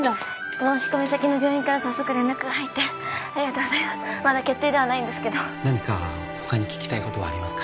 申込先の病院から早速連絡が入ってありがとうございますまだ決定ではないんですけど何か他に聞きたいことはありますか？